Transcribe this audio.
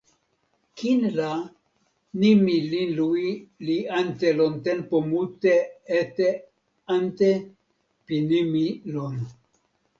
kin la, nimi linluwi li ante lon tenpo mute ete ante pi nimi lon.